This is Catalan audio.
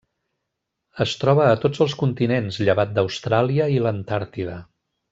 Es troba a tots els continents, llevat d'Austràlia i l'Antàrtida.